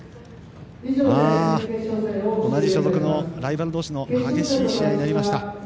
同じ所属のライバル同士の激しい試合になりました。